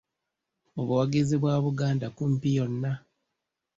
Obuwagizi bwa Buganda kumpi yonna.